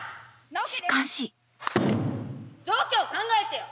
しかし。状況考えてよ！